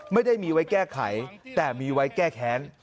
ไม่ได้มีไว้แก้ไขแต่มีไว้แก้แค้น